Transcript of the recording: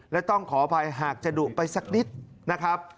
และต้องขออภัยหากจะดุไปสักนิดนะครับ